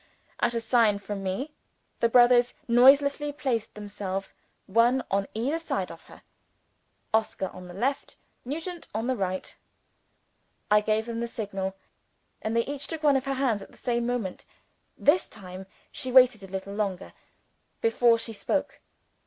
At a sign from me, the brothers noiselessly placed themselves, one on either side of her Oscar on the left; Nugent on the right. I gave them the signal; and they each took one of her hands at the same moment. This time, she waited a little longer before she spoke.